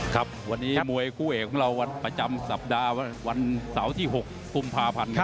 ครับวันนี้มวยคู่เอกของเราวันประจำสัปดาห์วันเสาร์ที่๖กุมภาพันธ์